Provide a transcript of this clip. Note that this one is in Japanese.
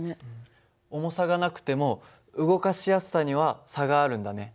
重さがなくても動かしやすさには差があるんだね。